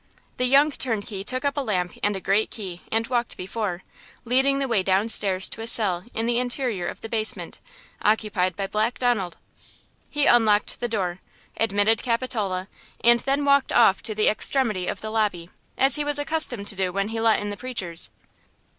The young turnkey took up a lamp and a great key and walked before, leading the way down stairs to a cell in the interior of the basement, occupied by Black Donald. He unlocked the door, admitted Capitola, and then walked off to the extremity of the lobby, as he was accustomed to do when he let in the preachers.